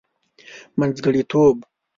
منځګړتوب.